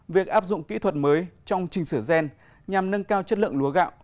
việc áp dụng kỹ thuật mới trong trình sửa gen nhằm nâng cao chất lượng lúa gạo